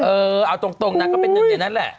เออเอาตรงนั้นก็เป็นแบบนั้นแหละ